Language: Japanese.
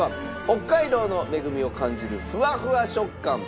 北海道の恵みを感じるフワフワ食感。